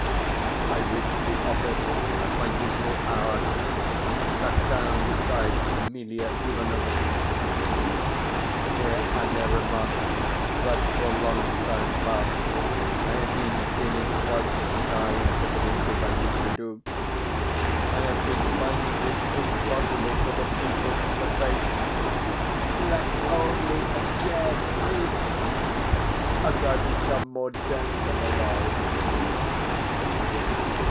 I reached the office at my usual hour, and sat down beside Emelia Ivanovitch. Here I may remark that for a long time past I have been feeling twice as shy and diffident as I used to do; I have been finding it impossible to look people in the face. Let only a chair creak, and I become more dead than alive.